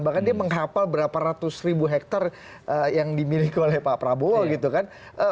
bahkan dia menghapal berapa ratus ribu hektare yang dimiliki oleh pak prabowo gitu kan